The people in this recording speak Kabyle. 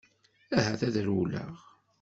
Ahat ad rewleɣ.